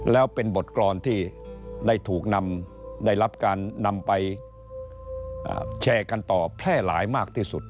แล้วเป็นบทกรอนที่ได้ถูกนำได้รับการนำไปแชร์กันต่อแพร่หลายมากที่สุด